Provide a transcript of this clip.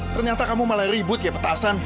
ternyata kamu malah ribut kayak petasan